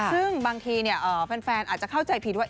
ซึ่งบางทีแฟนอาจจะเข้าใจผิดว่า